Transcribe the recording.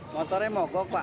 motornya mau kok pak